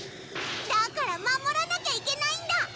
だから守らなきゃいけないんだ！